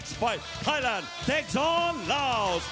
ต่อไปไทยแลนด์แท็กซ์ออนลาวส